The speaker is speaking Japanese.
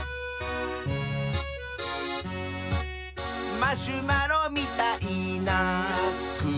「マシュマロみたいなくものした」